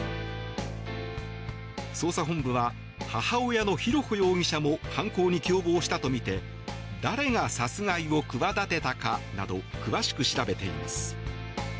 捜査本部は母親の浩子容疑者も犯行に共謀したとみて誰が殺害を企てたかなど詳しく調べています。